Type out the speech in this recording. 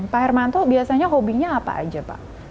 pak hermanto biasanya hobinya apa aja pak